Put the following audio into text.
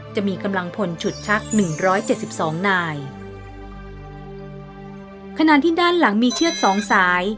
จะมีกำลังพลฉุดชักหนึ่งร้อยเจ็ดสิบสองนายขณะที่ด้านหลังมีเชือกสองสาย